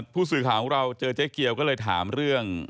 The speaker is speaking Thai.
ผู้สื่อข่าวของเราเจอเจ๊เกียวก็เลยถามเรื่อง